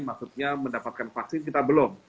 maksudnya mendapatkan vaksin kita belum